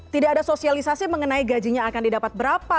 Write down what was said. tidak ada sosialisasi mengenai gajinya akan didapat berapa